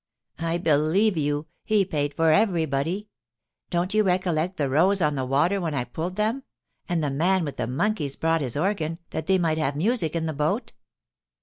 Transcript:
"I believe you; he paid for everybody. Don't you recollect the rows on the water when I pulled them, and the man with the monkeys brought his organ, that they might have music in the boat?"